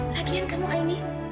lagian kamu aini